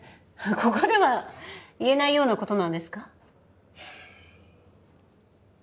ここでは言えないようなことなんですか？